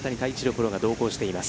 プロが同行してくれています。